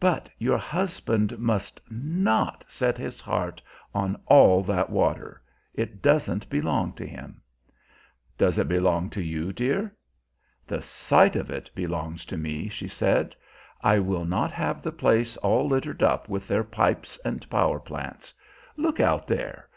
But your husband must not set his heart on all that water! It doesn't belong to him." "Does it belong to you, dear?" "The sight of it belongs to me," she said. "I will not have the place all littered up with their pipes and power plants. Look out there!